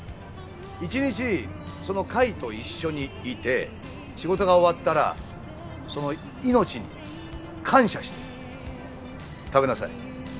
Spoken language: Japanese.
一日その貝と一緒にいて仕事が終わったらその命に感謝して食べなさい。